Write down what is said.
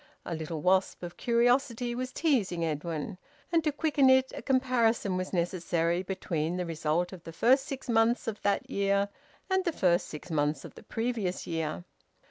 A little wasp of curiosity was teasing Edwin, and to quicken it a comparison was necessary between the result of the first six months of that year and the first six months of the previous year.